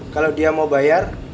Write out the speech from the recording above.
kalau dia mau bayar